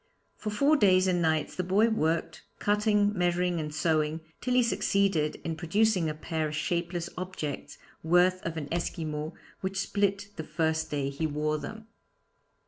For four days and nights the boy worked, cutting, measuring and sewing, till he succeeded in producing a pair of shapeless objects, worthy of an Esquimaux, which split the first day he wore them.